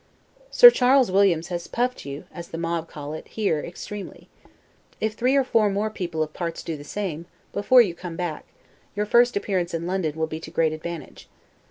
Sir Charles Williams has puffed you (as the mob call it) here extremely. If three or four more people of parts do the same, before you come back, your first appearance in London will be to great advantage.